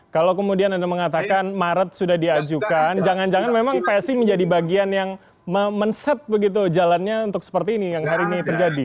kalau kemudian anda mengatakan maret sudah diajukan jangan jangan memang psi menjadi bagian yang men set begitu jalannya untuk seperti ini yang hari ini terjadi